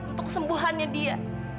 untuk kesembuhannya dia